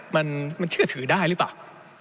มันเชื่อถือได้หรือเปล่า